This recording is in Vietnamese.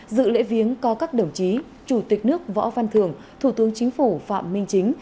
dự lễ viếng có các đồng chí chủ tịch nước võ văn thường thủ tướng chính phủ phạm minh chính